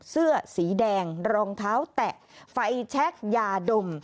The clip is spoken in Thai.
เสื้อสีแดงรองเท้าแตะไฟแชคยาดม